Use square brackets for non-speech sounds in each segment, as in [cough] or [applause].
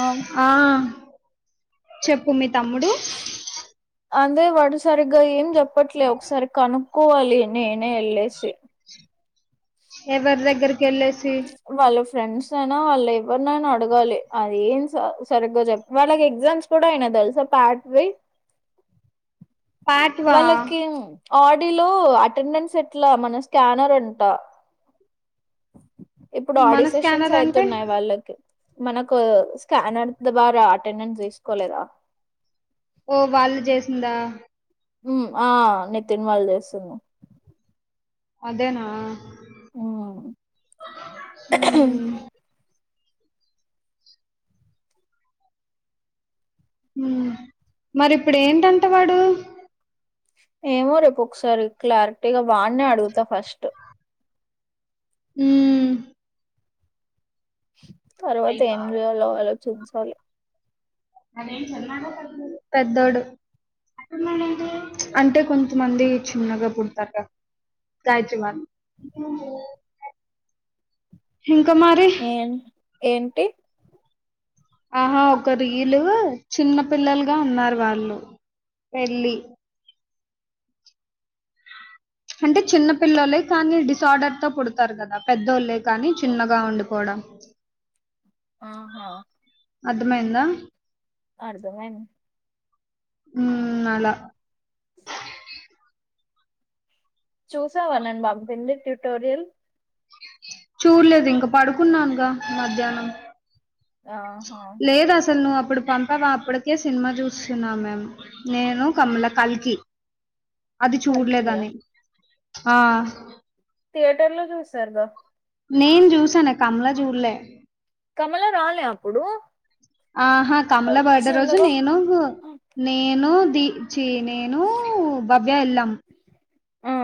అం ఆ చెప్పు మీ తమ్ముడు అందే వాడు సరిగ్గా ఏం జెప్పట్లే. ఒక్సారి కనుక్కోవాలి నేనే ఎళ్ళేసి ఎవరి దగ్గరకెళ్ళేసి? వాళ్ళ ఫ్రెండ్స్ అయినా ఆళ్ళెవ్వర్నైనా అడగాలి అది ఏం స సరిగ్గా చెప్ వాళ్ళకి ఎగ్జామ్స్ కూడా అయినయి తెల్సా పార్ట్వి పాట్వా వాళ్ళకిమ్ ఆడిలో అటెండెన్సెట్లా మన స్కానర్ అంటా ఇప్పుడు మన ఆడి సెషన్స్ స్కానర్ అంటే అయితున్నాయి వాళ్ళకి. మనకూ స్కానర్స్ ద్వారా అటెండెన్స్ తీసుకోలేదా? ఓ వాళ్ళు జేసిందా? ఉ ఆ నితిన్ వాళ్ జేస్తున్నం అదేనా? ఊ ఊ మరి ఇప్పుడేటంట వాడు? ఏమో రేపొక్సారి క్లారిటీగా వాన్నే అడుగుత ఫస్ట్ ఊ తర్వాతేంజెయాలో ఆలోచించాలె. పెద్దోడు అంటే కొంతమంది చిన్నగా పుడతార్గా [unintelligible] ఇంక మరి? ఏం ఏంటి? ఆహ ఒక రీలూ చిన్న పిల్లల్గా ఉన్నారు వాళ్ళు పెళ్ళి అంటే చిన్న పిల్లలే కానీ డిసార్డర్ తో పుడతారు కదా పెద్దోళ్ళె కానీ చిన్నగా ఉండిపోవడం. ఆహా అర్థమైందా? అర్ధమైంది. ఉమ్ అల చూసావా నేన్ బంపింది ట్యూటోరియల్ చూడ్లేదింక పడుకున్నాన్గా మధ్యాహ్నం. ఆహా లేదసల్ నువ్వు అప్పుడు పంప్ పవాప్పడికే సిన్మా జూస్తున్నాం మేము నేను, కమల కల్కి. అది కలికియా చూడ్లేదని ఆ థియేటర్ లో జూసార్గా నేన్ జూసాను కమ్ల జూడ్లే. కమల రాలే అప్పుడూ? ఆహా కమల బర్డే రోజు నేను నేనూ ది చ్చి నేనూ భవ్య ఎళ్ళాం. ఆ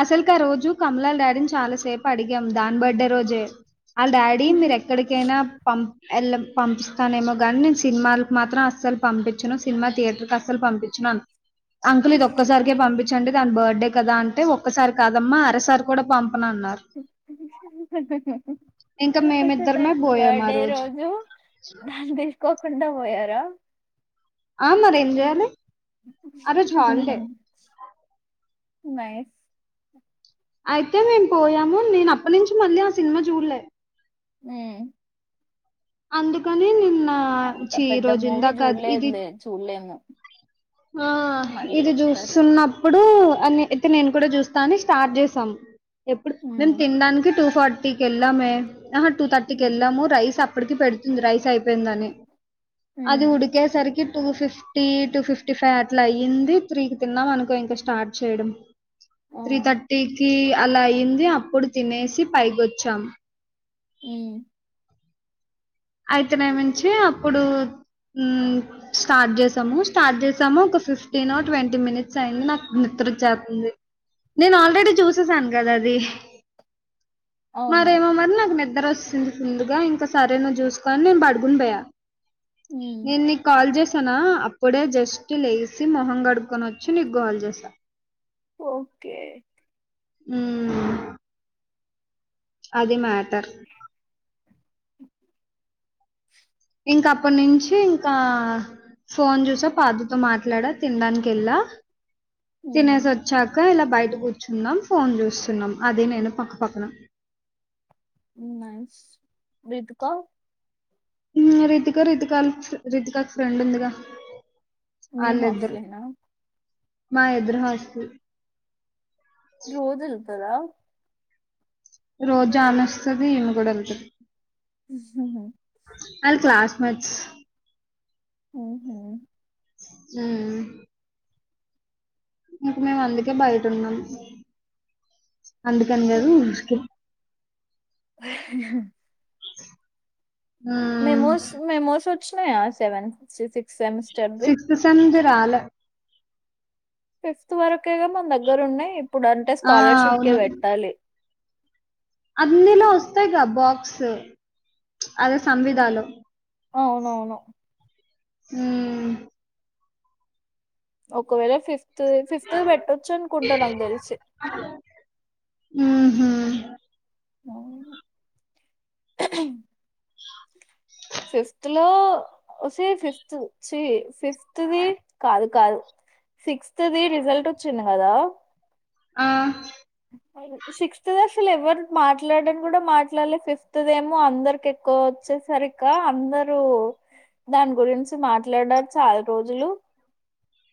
అసల్కారోజు కమలాాల్ డాడీన్ చాలాసేపడిగాం దాని బడ్డె రోజే. ఆళ్ డాడీ మీరెక్కడికైనా పం ఎళ్ళం పంపిస్తానేమో గాన్నేన్ సిన్మాలకు మాత్రం అస్సల్పంపించను సిన్మా థియేటర్కస్సల్ పంపించను అన్ అంకుల్ ఇది ఒక్కసారికే పంపిచ్చండి దాని బర్త్డే కదా అన్ టే ఒక్కసారి కాదమ్మా అరసారి కూడా పంపనన్నారు. ఇంక [inaudible] మేమిద్దరమే పోయాం ఆ బర్త్డే రోజు దాన్ని తీసుకోకుండా పోయారా. ఆ మరి ఏం చేయాలి నైస్ అయితే మేము పోయాము నేను అప్పటినుంచి మళ్ళీ ఆ సినిమా చూడలే. ఊ అందుకని నిన్న్ అంత పెద్ద మూవీ చూడలేదులే చూడలేము. హా మళ్ళీ ఇది ఒకసారి చూస్తున్నప్పుడూ అని అయితే నేను కూడా చూస్తా అని స్టార్ట్ చేసాం. ఎప్పుడు మేమ్ హ్మ్. తిన్డానికి టూ ఫార్టీకి ఎళ్ళామే ఆహ టూ థర్టీకి హుహు. ఎళ్ళాము రైస్ అప్ అప్పడికి పెడుతుంది రైస్ అయిపోయిందని అది హ్మ్. ఉడికేసరికి టూ ఫిఫ్టీ టూ ఫిఫ్ ఫిఫ్టీ ఫై అట్ల అయ్యింది త్రీకి తిన్నాం అనుకో ఇంకా స్టార్ట్ చేయడం. ఆ! త్రీ థర్టీకీ అలా అయింది అప్పుడు తినేసి పైకి వొచ్చాం. ఊ అయితేనేమించీ అప్పుడూ ఊ స్టార్ట్ చేశాము స్టార్ట్ చేశాము ఒక ఫిఫ్టీనో ట్వంటీ మినిట్స్ అయింది నాక నిద్ర వచ్చేత్తుంది. నేను ఆల్రెడీ చూశేసాను కదా అది. అవును. మరేమో మరి నాకు నిద్ర వస్తుంది ఫుల్లుగా ఇంక సరేనువ్వు చూస్ కో అని నేను పడుకుండ్ పోయా హ్మ్. నేన్ నీక్ కాల్ చేశానా అప్పుడే జస్ట్ లేయిసి మొహం కడుకొని వచ్చి నీకు కాల్ చేసా ఓకే ఊ అది మాటర్ అ ఇంకా అప్పట్ నుంచీ ఇంకా ఫోన్ చూశా పార్దుతో మాట్లాడా తిన్డానికి ఎళ్ళా తినేశి హ్మ్. వచ్చాకా ఇలా బయట కూర్చున్నాం ఫోన్ చూస్తున్నాం అదీ నేను పక్కపక్కన. నైస్ రీతుకా ఊ రితిక రితికాళ్ రితికాక్క్ ఫ్రెండ్ ఉందిగా మీ ఆళ్ళిద్దరు హాస్టలేనా? మా ఎదురు హాస్టల్ రోజ్ ఎల్తదా రోజు ఆమె వస్తది ఈమె గూడా ఎళ్తది హహ ఆల్ క్లాస్ మెట్స్ ఆహా ఆ ఇంక మేమ్ అందుకే బయట ఉన్నం అందుకని కదూ [unintelligible] ఆ మెమోస్ మెమోస్ వచ్చినయా సెవెన్ సిక్స్త్ సెమిస్టర్ది. సిక్త్ సెమ్మ్ ది రాళే ఫిఫ్త్ వరకేగా మన దగ్గర ఉన్నయి ఇప్పుడు అంటే ఆ! స్కాలర్షిప్ కేే అవును. పెట్టాలి. అన్నిలో వస్తాయి క బాక్స్ అదే సంవిధాలు అవవ హ్మ్ ఒకవేళ ఫిఫ్త్ ఫిఫ్త్ పెట్టొచ్చు అనుకుంటా నాకు తెలిసి నా హ అవును అ ఫిఫ్త్ లో వసే ఫిఫ్త్ చి ఫిఫ్ ఫిఫ్త్ వి కాదు కాదు సిక్స్త్ వి రిజల్ట్ వచ్చింది కదా ఆ సిక్త్ అసలు ఎవరు మాట్లాడని కూడా మాట్లాడలే ఫిఫ్త్ది ఏమో అందరికం కోవచ్చు సరికా అందరూ దాని గురించి మాట్లాడారు చాలా రోజులు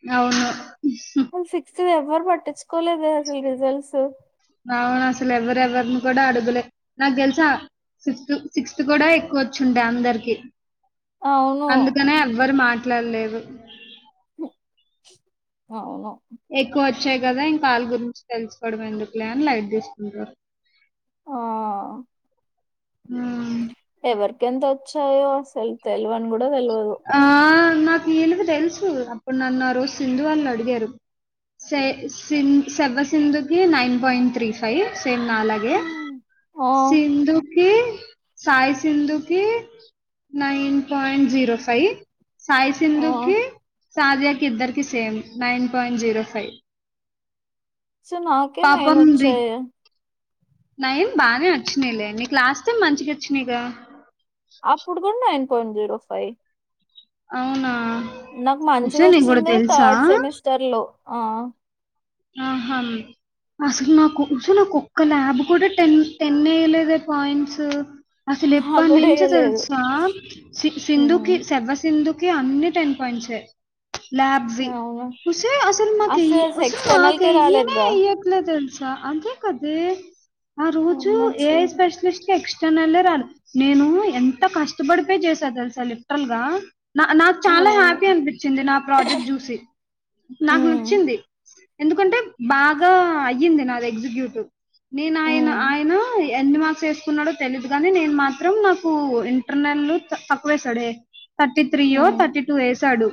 నవును సిక్స్త్ ఎవ్వరు పట్టించుకోలేదు అసలు రిజల్ట్స్ ఆ అసలు ఎవరెవరిని కూడా అడుగులే నాకు తెలుసా సిక్స్త్ సిక్స్త్ కూడా ఎక్కువ వచ్చుంటాయి అందరికి అవును అందుకనే ఎవ్వరు మాట్లాడలేదు. అవును. ఎక్కువ వచ్చాయి కదా ఇంకాళ్ళ గురించి తెలుసుకోవడం ఎందుకులే అని లైట్ తీసుకుంటారు. ఆ ఆ ఎవరికి ఎంత వచ్చాయో అసలు తెలివని కూడా తెలవదు. ఆ నాకు వీళ్ళకి తెలుసు అప్పుడు నన్ను ఆ రోజు సింధు వాళ్ళు అడిగారు స సిం శవసింధుకి నైన్ పాయింట్ త్రీ పై సేమ్ నాలాగే ఆ సింధు కి సాయి సింధు కి nine point zero five Sai ఆ సింధుకిి సాజియా కి ఇద్దరికి same nine point zero five so నాకే నైన్ పాపం వచ్చాయి [unintelligible] నయం బానే వచ్చినాయిలే నీకు లాస్ట్ టైమ్ మంచిగా వచ్చినాయిగా అప్పుడు కూడా నైన్ పాయింట్ జీరో ఫైవ్ అవునా నాకు మంచిగా వచ్చా నీకు కూడా వచ్చింది తెలుసా థర్డ్ సెమిస్టర్ లో ఆ ఆహా అసలు నాకు నాకు ఒక్క ల్యాబ్ కూడా టెన్ టెన్ వేయలేదే పాయింట్స్ అసలు నాకు ఎప్పటి కూడా నుంచి వేయలేదు తెలుసా సి ఉమ్, సింధుకిి శవ సింధు అన్ని టెన్ పాయింట్స్ యే ల్యాబ్ వి అవును ఒసేయ్ అసల్ మాక్ ఎన్ని అసలు ఓస్ ఎక్స్టర్నల్ నాకు కే ఎయ్యనే రాలేదుగా ఏయ్యట్లే తెలుసా అంతే కాదు ఏ ఆ రోజు ఏఐ స్పెషలిస్ట్ ఎక్స్టర్నల్ రాదు నేను ఎంత కష్టపడిపోయి చేసా తెలుసా లిటరల్ గా నా నాకు చాలా అవును హ్యాపీ అనిపించింది నా ప్రాజెక్ట్ చూసి నాకు ఉమ్, నచ్చింది. ఎందుకంటే బాగా అయ్యింది నాది ఎగ్జిక్యూటివ్ నేను ఆయన ఉమ్, ఆయన ఎన్ని మార్క్స్ వేసుకున్నాడో తెలీదు గాని నేను మాత్రం నాకు నన్ను తక్కవేసడే థర్టీ త్రీయో ఉమ్, థర్టీ టూ యేసాడు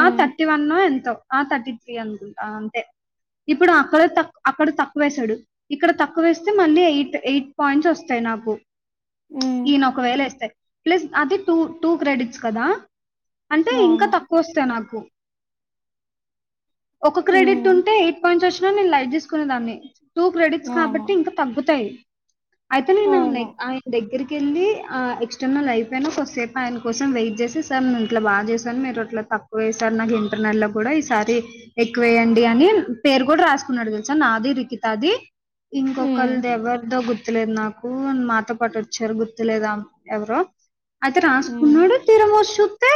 ఆ థర్టీ వన్ ఎంతో ఆ థర్టీ త్రీ అంది అంతే ఇప్పుడు అక్కడ తక్కు అక్కడ తక్కువేసాడు. ఇక్కడ తక్కువేస్తే మళ్ళీ ఎయిట్ ఎయిట్ పాయింట్స్ వస్తాయి నాకు ఉమ్, ఈయన ఒకవేళ ఏస్తే ప్లస్ అది టూ టూ క్రెడిట్స్ కదా అంటే ఇంకా అవును తక్కువ వస్తాయి నాకు ఒక క్రెడిట్ ఉమ్, ఉంటే ఎయిట్ పాయింట్స్ వచ్చినా నేను లైట్ తీసుకునే దాన్ని టూ క్రెడిట్స్ అవును కాబట్టి ఇంకా తగ్గుతాయి అయితే నేను ఆ అవును ఆయన దగ్గరికి వెళ్ళి ఆ ఎక్స్టర్నల్ అయిపోయిన కొద్దీసేపు ఆయన కోసం వెయిట్ చేసి సార్ నేను ఇట్లా బాగా చేశాను మీరు అట్లా తక్ వేసారు నాకు ఇంటర్నల్ లో కూడా ఈసారి ఎక్కువేయండి అని పేరు కూడా రాసుకున్నాడు తెలుసా నాది రికితాది ఉమ్, ఇంకొకళది ఎవరిదో గుర్తులేదు నాకు కు మాతో పాటు వచ్చారు గుర్తులేదా ఆమె ఎవరో అయితే ఉమ్, రాసుకున్నాడు తీరా వచ్చి చూస్తే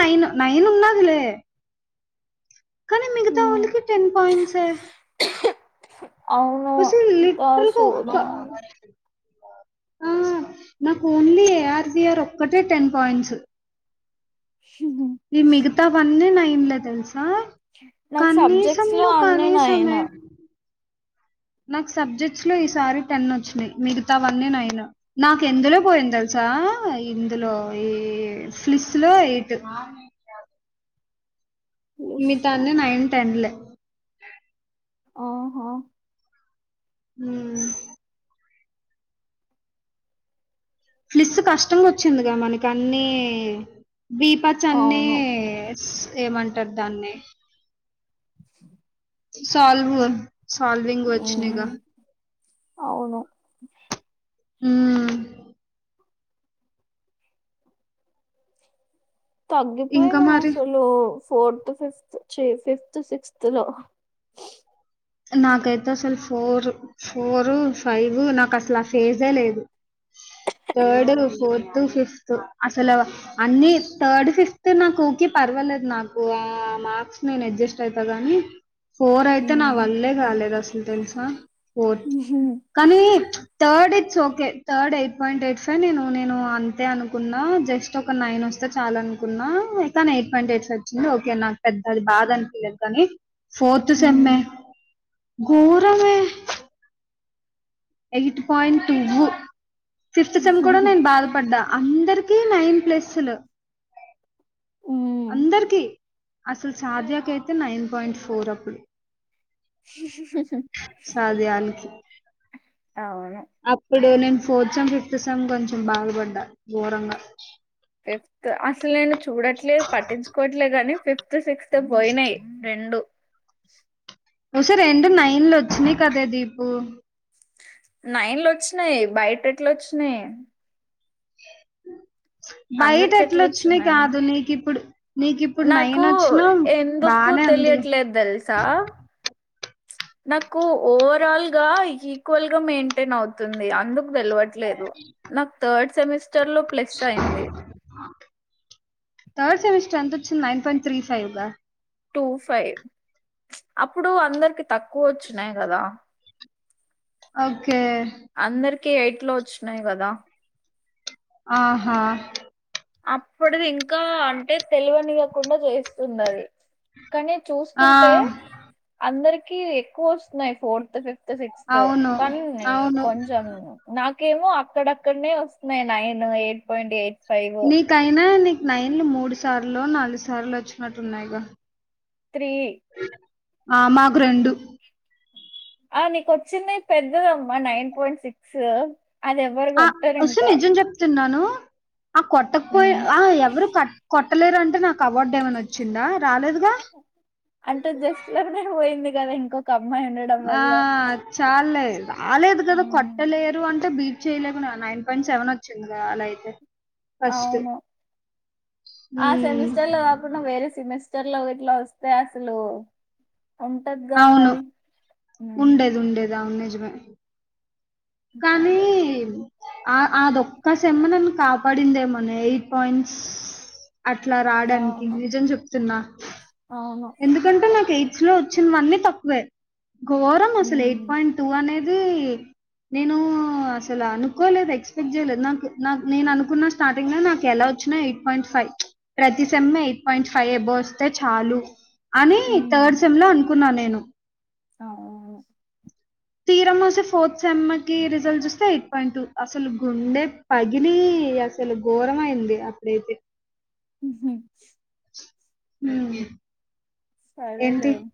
నైన్ నైన్ ఉన్నది లే కానీ ఉమ్. మిగతావాళ్ళకి టెన్ పాయింట్స్ ఏ అవును అసలు దాని లిటరల్ గా సోది ఒక్క దాన్ ఆ [unintelligible] నాకు ఓన్లీ ఏఆర్ బిఆర్ ఒక్కటే టెన్ పాయింట్స్ హుహు ఇంకా మిగతా వన్నీ నైన్లే తెలుసా నాకు సబ్జెక్ట్స్ లో కనీసంలో అన్ని నైన్ కనీసమే నాకు సబ్జెక్ట్స్ లో ఈసారి టెన్ వచ్చినాయి మిగతావన్నీ నైన్ నాకు ఎందులో పోయింది తెలుసా ఇందులో ఈ ఫ్లిస్ ఎయిట్ చూస్తా మిగతాయనన్ని నైన్ టెన్లే ఆ హ హామ్ ఫ్లిస్ కష్టంగా వచ్చిందిగా మనక అన్ని దీప అవును. చన్నీస్ ఏమంటారు దాన్ని [unintelligible] సాల్వ్ సాల్వింగ్ వచినైగా హ్మ్. అవును. హు ఇంకా తగ్గిపోయినా మరి అసలు ఫోర్త్ ఫిఫ్త్ చీ ఫిఫ్త్ సిక్స్త్ లో నాకైతే అసలు ఫోర్ ఫోర్ ఫైవ్ నాకు అసలు ఆ ఫేజే లేదు థర్డ్ ఫోర్త్ ఫిఫ్త్ అసల అన్నీ థర్డ్ ఫిఫ్త్ నాకు ఒకే పర్వాలేదు నాకు ఆ మార్క్స్ నేను అడ్జస్ట్ అయిత కాని ఫోర్ అయితే నా హ్మ్. వల్లే కాలేదు అసలు తెలుసా ఫోర్ కానీ చ్చు third it's okay third eight point eight five నేను నేను అంతే అనుకున్నా జస్ట్ ఒక నైన్ వస్తే చాలు అనుకున్నా కానీ ఎయిట్ పాయింట్ ఎయిట్ ఫైవ్ వచ్చింది ఓకే నాకు పెద్ద అది బాధ అనిపియలేదు కానీ ఫోర్త్ సెమ్మె హ్మ్. గోరమే eight point two fifth sem కూడా నేను బాధపడ్డా అందరికీ నైన్ ప్లస్సులు హ్మ్. అందరికీ అసలు సాదియాకి అయితే నైన్ పాయింట్ ఫోర్ అప్పుడు హ్మ్మ్మ్ ధ్యానికి అవును అప్పుడు నేను ఫోర్త్ సెమ్ ఫిఫ్త్ సెమ్ కొంచెం బాధపడ్డా ఘోరంగా ఫిఫ్త్ అసలు నేను చూడట్లేదు పటిన్చుకోవట్లేదు గాని ఫిఫ్త్ సిక్స్త్ పోయినాయి రెండు ఒసే రెండు నైండ్లొచ్చినాయ్ కదే దీపూ నైండ్లొచ్చినాయ్ బైటెట్లొచ్చినాయ్ బైట ఎట్లొచ్చినాయ్ అందరికెట్లొచ్చినాయి? కాదు నీకిప్పుడు నీకిప్పుడు నైన్ నాకు వచ్చినా ఎందుకు బానే ఉంది తెలియట్లేద్ దెల్సా నాకు ఓవరాల్ గా ఈక్వల్ గా మెయింటెన్ అవుతుంది అందుక్ దెల్వడ్ ట్లేదు నాక్ థర్డ్ సెమిస్టర్ లో ప్లస్సైంది థర్డ్ సెమిస్ట్రెంతొచ్చింది నైన్ పాయింట్ త్రీ ఫైవ్ గా టూ ఫైవ్ అప్పుడు అందర్కి తక్కువొచ్చినాయ్ గదా ఓకే అందర్కి ఎయిట్ లో వొచ్చినాయ్ గదా ఆహా అప్పడిది ఇంకా అంటే తెల్వనియ్యకుండా జేస్తుందది కానీ ఆ చూస్కుంటే అందరికి ఎక్కువొస్తున్నాయ్ ఫోర్తు ఫిఫ్ ఫ్తో సిక్స్తో అవును కొని అవును కొంచమూ నాకేమో అక్కడక్కన్నే వస్తున్నయ్ nine eight point eight five మీకైనా నీక్ నైండ్లు మూడు సార్లో, నాలు సార్లో వొచ్చినట్టున్నాయ్ గా త్రీ ఆ మాకు రెండు ఆ నీకొచ్చింది పెద్దదమ్మా నైన్ పాయింట్ సిక్సూ ఆ ఓస్సా నిజం జెప్తున్నాను. ఆ కొట్టక్ పోయి ఉమ్. ఆ ఎవ్వరు కట్ కొట్టలేరు అంటే నాక అవార్డు ఏమైనా వొచ్చిందా రాలేదుగా అంటే జస్టు లోనే వోయింది గదా ఇంకొక అమ్మాయ్ ఉండ ఆ చాల్లే రాలేదు గదా ఉమ్. కొట్టలేరు అంటే బీ చేయలేకున్నా నైన్ పాయింట్ సెవెనొచ్చిందిగదా అలా ఐతే అవును ఆ ఉమ్ సెమిస్టర్ లో గాక కున్న వేరే సెమిస్టర్ లో ఇట్లా వొస్తే అసలు ఉంటగ్గా మరి ఉమ్. ఉండద్ ఉండేద్ అవున్ నిజమే అదే కానీమ్ ఆ అదొక్క సెమ్మే నన్ను కాపాడిందేమోనే ఎయిట్ పాయింట్స్ అట్లా రాడాన్కి నిజం చెప్తున్నా ఆహా దంటే నాకి ఎయిట్స్ లో వొచ్చిన్ న్వన్నీ అ తక్క్వే ఘోరం అసలు ఎయిట్ ఉమ్. పాయిన్ టూ అనేదీ నేనూ అసలు అనుకోలేదు ఎక్స్పెక్ట్ జేయ్ లేదు నాకు నాక్ నేననుకున్న స్టార్టింగ్లా నాకెలా వొచ్చిన ఎ పాయింట్ ఫై ప్రతి సెమ్మే ఎయిట్ పాయింట్ ఫై అబో వొస్తే చాలు అని ఊ థర్డ్ సెమ్ ల్లో అనుకున్నా నేను అవ్వునూ తీరమ్మొస్సే ఫోర్త్ సెమ్మర్ కి రిజల్ జూస్తే ఎయిట్ పాయింట్ టూ అస్సలు గుండే పగిలీ అసలు ఘోరమైంది అప్పుడైతే ఉహు హూ సరేలేమ్